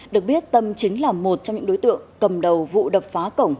được biết tâm chính là một trong những đối tượng cầm đầu vụ đập phá cổng